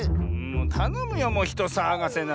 たのむよもうひとさわがせな。